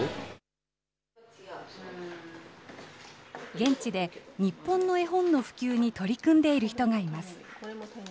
現地で日本の絵本の普及に取り組んでいる人がいます。